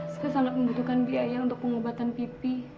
saya sangat membutuhkan biaya untuk pengobatan pipi